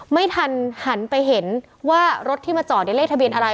ไม่ทันหันไปเห็นว่ารถที่มาจอดในเลขทะเบียนอะไร